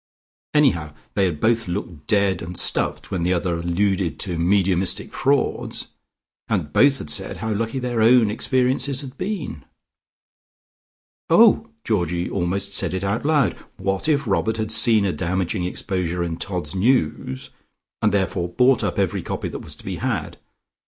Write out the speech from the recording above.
Anyhow they had both looked dead and stuffed when the other alluded to mediumistic frauds, and both had said how lucky their own experiences had been. "Oh!" Georgie almost said it aloud What if Robert had seen a damaging exposure in "Todd's News," and therefore bought up every copy that was to be had?